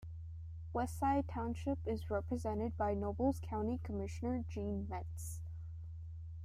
Westside Township is represented by Nobles County Commissioner Gene Metz.